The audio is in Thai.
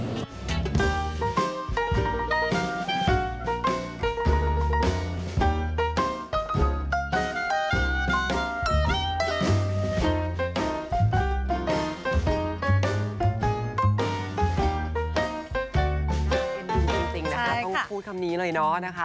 จริงนะครับต้องพูดคำนี้เลยนะครับ